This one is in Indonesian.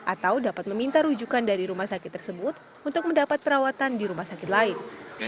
atau dapat meminta rujukan dari rumah sakit tersebut untuk mendapat perawatan di rumah sakit lain